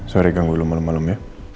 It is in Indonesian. sorry ganggu lo malem malem ya